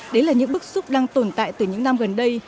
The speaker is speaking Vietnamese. đấy là những bức xúc đang tồn tại từ những năm gần đây